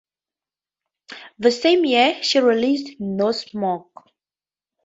The same year, she released "No Smoke".